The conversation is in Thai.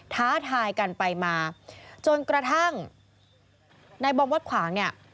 ท้าทายกันไปมาจนกระทั่งในบอมวัดขวางเนี่ย